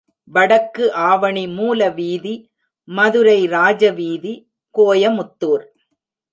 வடக்கு ஆவணி மூல வீதி, மதுரை ராஜ வீதி கோயமுத்தூர்.